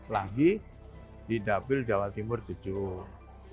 lagi di dabil jawa timur jujur